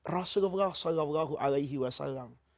rasulullah sallallahu alaihi wasallam